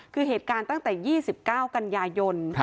คือเหตุการณ์ตั้งแต่๒๙กันยายน